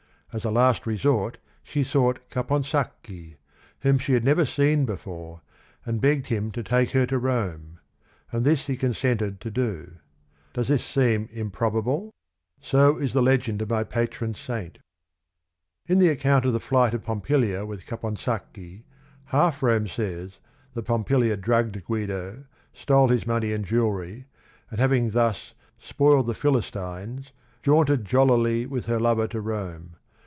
As a last resort she sought Caponsacchi, whom she had never seen before, and begged him to take her to Rome ;— and this he con sented to do. Does this seem improbable ?" So is the legend of my patron saint." In the account of the flight of Pompilia with Caponsacchi Half jlome says that Pompilia drugge d Guido, stole his money and jewelry, a nd having thus "spoiled the Philistines," jaunted jollily with her lover to Rome.